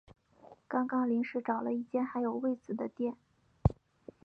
刚刚临时找了一间还有位子的店